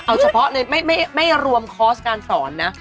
เอาเฉพาะเลยไม่รวมคอร์สการสอนนะ